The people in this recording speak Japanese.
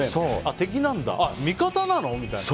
敵なんだ味方なの？みたいな。